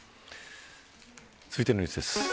続いてのニュースです。